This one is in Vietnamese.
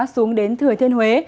xuống đến thừa thiên huế